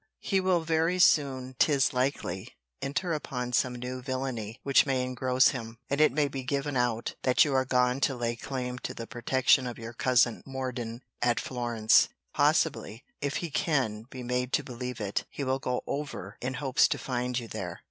He will very soon, 'tis likely, enter upon some new villany, which may engross him: and it may be given out, that you are gone to lay claim to the protection of your cousin Morden at Florence. Possibly, if he can be made to believe it, he will go over, in hopes to find you there.